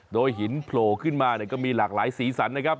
โดยหินโผล่ขึ้นมาก็มีหลากหลายสีสันนะครับ